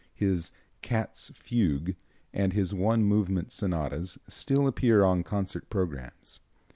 His "Cat's Fugue," and his one movement sonatas still appear on concert programmes.